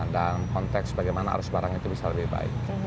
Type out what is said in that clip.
dan konteks bagaimana arus barang itu bisa lebih baik